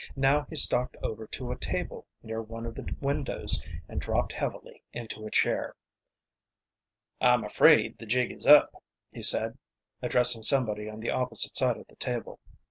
Now he stalked over to a table near one of the windows, and dropped heavily into a chair. "I'm afraid the jig is up," he said, addressing somebody on the opposite side of the table.